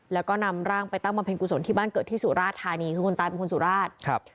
แล้วก็นำร่างไปตั้งบำเพ็ญกุศลที่บ้านเกิดที่สุราชธานีคือคนตายเป็นคนสุราชครับ